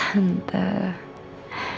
tante akan tinggal sama kami